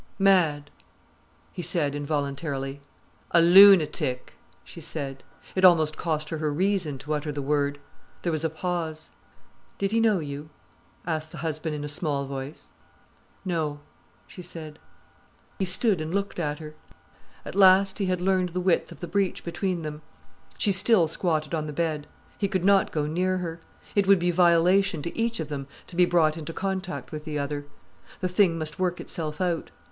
"Mad!' he said involuntarily. "A lunatic," she said. It almost cost her her reason to utter the word. There was a pause. "Did he know you?" asked the husband in a small voice. "No," she said. He stood and looked at her. At last he had learned the width of the breach between them. She still squatted on the bed. He could not go near her. It would be violation to each of them to be brought into contact with the other. The thing must work itself out.